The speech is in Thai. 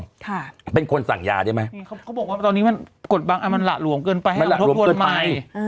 ค่ะเป็นคนสั่งยาได้ไหมเขาเขาบอกว่าตอนนี้มันกฎบังอ่ะมันหละหลวงเกินไป